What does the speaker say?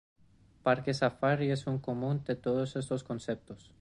Parque Safari es un común de todos estos conceptos.